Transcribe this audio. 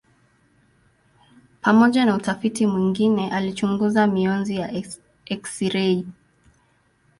Pamoja na utafiti mwingine alichunguza mionzi ya eksirei.